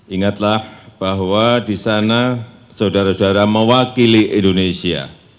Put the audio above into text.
ingatlah bahwa di sana saudara saudara mewakili indonesia